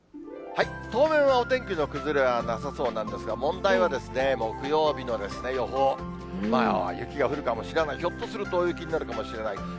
当面はお天気の崩れはなさそうなんですが、問題はですね、木曜日のですね、予報、まあ、雪が降るかもしれない、ひょっとすると大雪になるかもしれない。